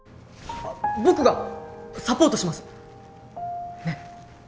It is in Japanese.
僕がサポートします！ね！